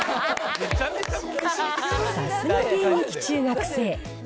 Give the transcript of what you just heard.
さすが現役中学生。